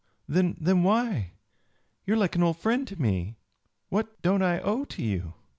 Then why? You are like an old friend to me. What don't I owe to you?"